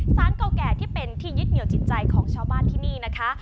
เก่าแก่ที่เป็นที่ยึดเหนียวจิตใจของชาวบ้านที่นี่นะคะ